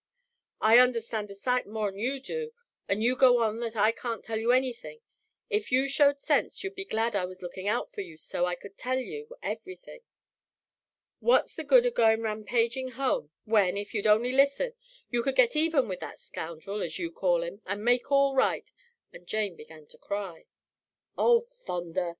"I understand a sight more'n you do, and you go on so that I can't tell you anything. If you showed sense, you'd be glad I was lookin' out for you so I could tell you everything. What's the good of goin' rampaigin' home when, if you'd only listen, you could get even with that scoundrel, as yer call 'im, and make all right," and Jane began to cry. "Oh, thunder!"